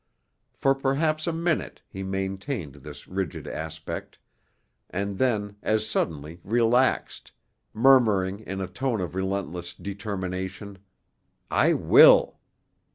For perhaps a minute he maintained this rigid aspect, and then as suddenly relaxed, murmuring in a tone of relentless determination, 'I will.'